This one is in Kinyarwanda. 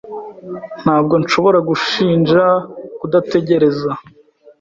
Ntabwo nshobora gushinja kudategereza.